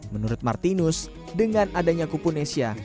menurut martinus dengan adanya kuponesia